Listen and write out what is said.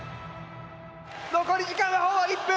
残り時間はほぼ１分！